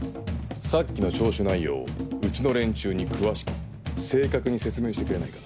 さっきの聴取内容をうちの連中に詳しく正確に説明してくれないか。